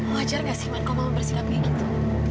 wajar nggak sih man kalau mama bersikap kayak gitu